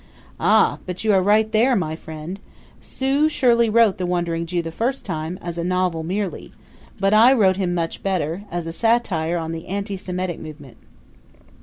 "Ah, but you are right there, my friend," he said. "Sue wrote 'The Wandering Jew' the first time as a novel, merely; but I wrote him much better as a satire on the anti Semitic movement."